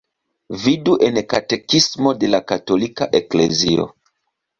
Vidu en Katekismo de la Katolika Eklezio.